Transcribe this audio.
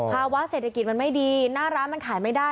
ภาวะเศรษฐกิจมันไม่ดีหน้าร้านมันขายไม่ได้